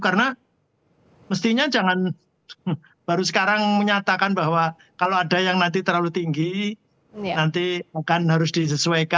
karena mestinya jangan baru sekarang menyatakan bahwa kalau ada yang nanti terlalu tinggi nanti akan harus disesuaikan